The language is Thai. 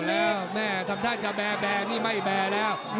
แน่แน่สำคัญจะแบร์นี่ไม่แบร์แล้ว